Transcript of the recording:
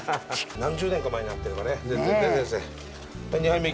何十年か前に会ってればね、先生。